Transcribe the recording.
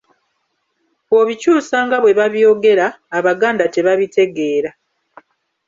Bw'obikyusa nga bwe babyogera, Abaganda tebabitegeera.